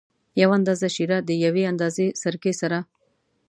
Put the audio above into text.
یو اندازه شېره د یوې اندازه سرکې سره.